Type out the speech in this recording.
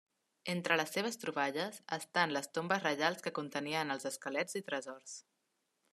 Entre les seves troballes, estan les tombes reials que contenien els esquelets i tresors.